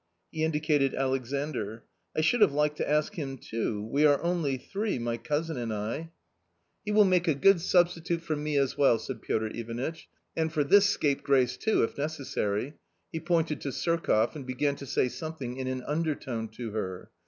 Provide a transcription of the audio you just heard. He indicated Alexandr. u I should have liked to ask him too ; we are only three, my cousin and I." v j 174 ^ COMMON STORY " He will make a good substitute for me as well," said Piotr Ivanitch, " and for this scapegrace too, if necessary." He pointed to Surkoff, and began to say something in an undertone to her.